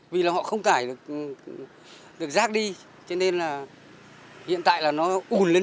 vì là họ không cải được rác đi cho nên là hiện tại là nó ủn lên